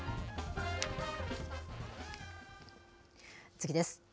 次です。